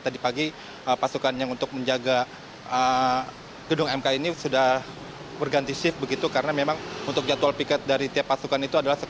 tadi pagi pasukan yang untuk menjaga gedung mk ini sudah berganti shift begitu karena memang untuk jadwal piket dari tiap pasukan itu adalah